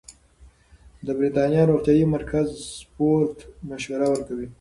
د بریتانیا روغتیايي مرکز سپورت مشوره ورکوي.